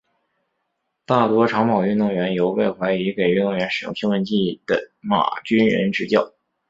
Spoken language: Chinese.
大多长跑运动员由被怀疑给运动员使用兴奋剂的马俊仁执教。